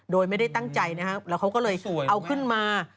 โดยไม่ได้ตั้งใจนะครับแล้วเขาก็เลยเอาขึ้นมา